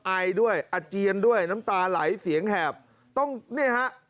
ไอด้วยอาเจียนด้วยน้ำตาไหลเสียงแหบต้องเนี่ยฮะ